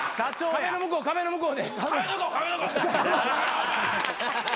壁の向こう壁の向こう。